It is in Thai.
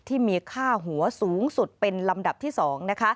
ที่มีค่าหัวสูงสุดเป็นลำดับที่๒นะคะ